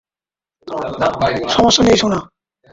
সমস্যা নেই, সোনা।